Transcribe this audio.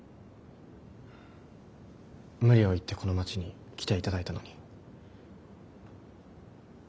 無理を言ってこの街に来ていただいたのに。